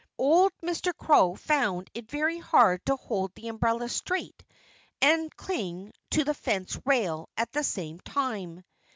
Old Mr. Crow found it very hard to hold the umbrella straight and cling to the fence rail at the same time.